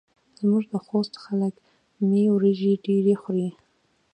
زموږ د خوست خلک مۍ وریژې ډېرې خوري.